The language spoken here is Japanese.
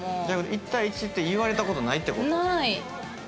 １対１って言われた事ないって事？ない。